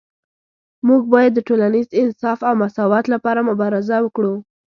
موږ باید د ټولنیز انصاف او مساوات لپاره مبارزه وکړو